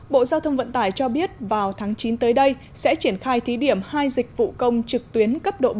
bộ giao thông vận tải cho biết vào tháng chín tới đây sẽ triển khai thí điểm hai dịch vụ công trực tuyến cấp độ bốn